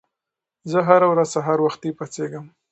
زه هره ورځ سهار وختي پاڅېږم.